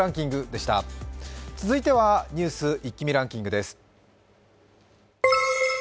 続いてはニュース一気見ランキングです。